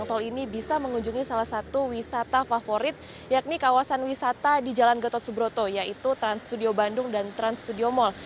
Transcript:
dan kemudian anda bisa mengunjungi salah satu wisata favorit yakni kawasan wisata di jalan getot subroto yaitu trans studio bandung dan trans studio mall